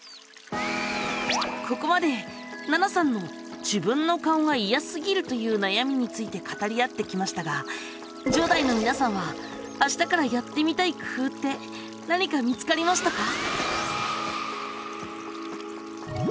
ここまでななさんの「自分の顔がイヤすぎる」という悩みについて語り合ってきましたが１０代の皆さんは「あしたからやってみたい工夫」って何か見つかりましたか？